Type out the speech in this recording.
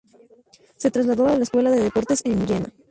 Se trasladó a la escuela de deportes en Jena.